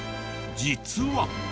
実は。